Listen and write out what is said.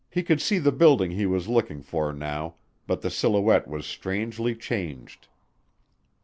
He could see the building he was looking for now, but the silhouette was strangely changed.